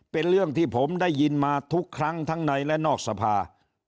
เป็นเรื่องที่ผมได้ยินมาทุกครั้งทั้งในและนอกสภา